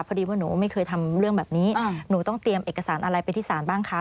พอดีว่าหนูไม่เคยทำเรื่องแบบนี้หนูต้องเตรียมเอกสารอะไรไปที่ศาลบ้างคะ